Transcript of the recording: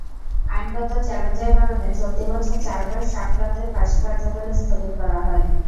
আইনগত চ্যালেঞ্জের কারণে চলতি বছর চারবার শাফকাতের ফাঁসি কার্যকর স্থগিত করা হয়।